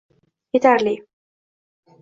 Yetarli.